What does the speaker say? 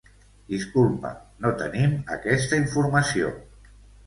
Disculpa, no tenim aquesta informació.